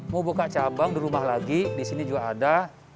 mau buka cabang di rumah lagi di sini juga ada